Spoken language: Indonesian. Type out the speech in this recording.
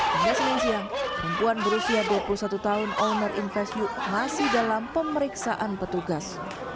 hingga senin siang perempuan berusia dua puluh satu tahun owner invest you masih dalam pemeriksaan petugas